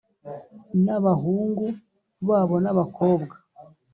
n abahungu babo n abakobwa